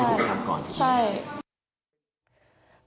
เขาไม่ได้ไปทำก่อนใช่ไหมครับใช่